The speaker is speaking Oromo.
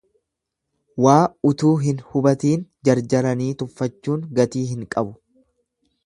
Waa utuu hin hubatiin jarjaranii tuffachuun gatii hin qabu.